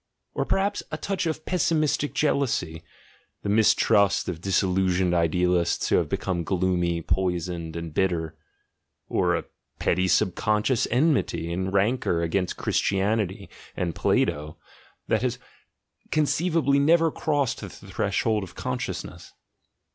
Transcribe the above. or perhaps a touch of pessimistic jealousy, the mistrust of disillusioned idealists 3 have become gloomy, poisoned, and bitter? or a petty subconscious enmity and rancour against Christianity (and Plato), that has conceivably never crossed the vshold of consciousness?